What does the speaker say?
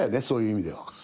そういう意味では。